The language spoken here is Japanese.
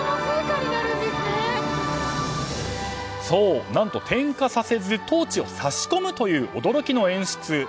そう、何と点火させずトーチを差し込むという驚きの演出。